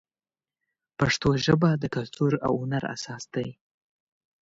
پښتو ژبه د کلتور او هنر اساس دی.